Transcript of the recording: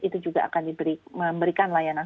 itu juga akan diberikan layanan